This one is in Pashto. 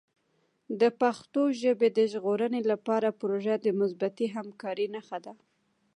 د پښتو ژبې د ژغورنې لپاره پروژه د مثبتې همکارۍ نښه ده.